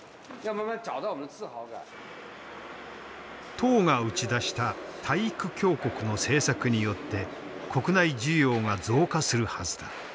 党が打ち出した体育強国の政策によって国内需要が増加するはずだ。